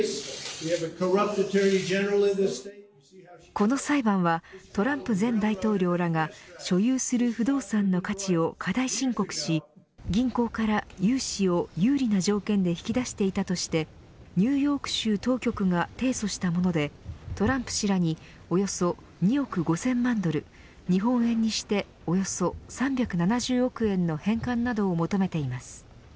この裁判はトランプ前大統領らが所有する不動産の価値を過大申告し銀行から、融資を有利な条件で引き出していたとしてニューヨーク州当局が提訴したものでトランプ氏らにおよそ２億５０００万ドル日本円にしておよそ３７０億円の返還などを求めています。